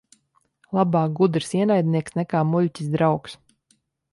Labāk gudrs ienaidnieks nekā muļķis draugs.